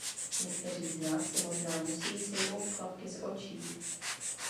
Někteří z nás si možná musí sejmout klapky z očí.